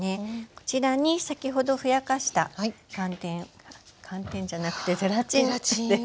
こちらに先ほどふやかした寒天寒天じゃなくてゼラチンです。